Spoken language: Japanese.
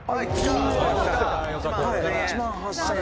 ２万８０００円」